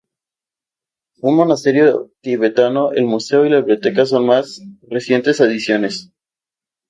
Un monasterio tibetano, el museo y la biblioteca son más recientes adiciones.